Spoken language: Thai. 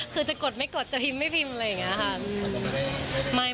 คือจะกดไม่กดจะพิมพ์ไม่พิมพ์